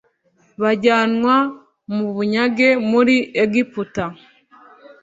bajyanwa mu bunyage muri egiputa